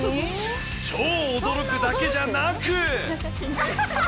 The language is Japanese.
超驚くだけじゃなく。